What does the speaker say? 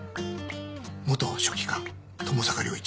元書記官友坂良一。